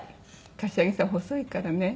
柏木さん細いからね。